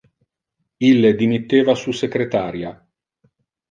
Ille dimitteva su secretaria.